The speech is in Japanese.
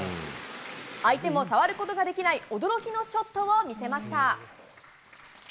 相手も触ることができない驚きのショットを見せました。